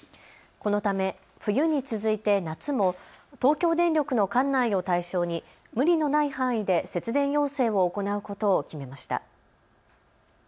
このため冬に続いて夏も東京電力の管内を対象に無理のない範囲で節電要請を行うことを決めました。